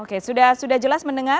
oke sudah jelas mendengar